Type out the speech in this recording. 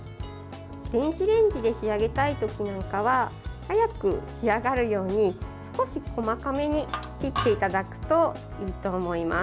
電子レンジで仕上げたい時なんかは早く仕上がるように少し細かめに切っていただくといいと思います。